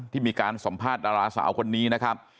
ที่มีการสัมภาษณ์ดาราสาวคนนี้นะครับ